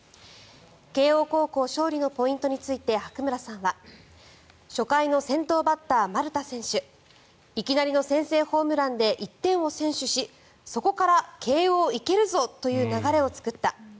慶応高校勝利のポイントについて白村さんは初回の先頭バッター、丸田選手いきなりの先制ホームランで１点を先取しそこから慶応いけるぞ！という流れを作った。